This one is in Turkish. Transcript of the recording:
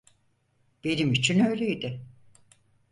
Benim için öyleydi.